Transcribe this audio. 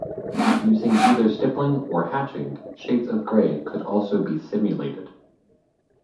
Using either stippling or hatching, shades of gray could also be simulated.